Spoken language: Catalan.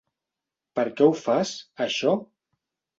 Per què ho fas, això?